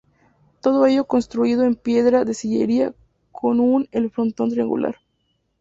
Todo ello construido en piedra de sillería con un el frontón triangular.